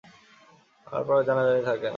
তারপর আর জানাজানি থাকে না।